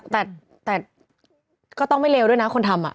แต่ก็ต้องไม่เลวด้วยนะคนทำ